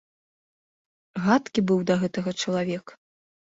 Гадкі быў да гэтага чалавек!